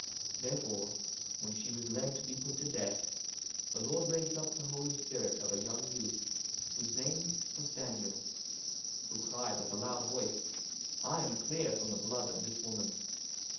1:45 Therefore when she was led to be put to death, the Lord raised up the holy spirit of a young youth whose name was Daniel: 1:46 Who cried with a loud voice, I am clear from the blood of this woman.